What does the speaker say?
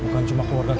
kok gak usah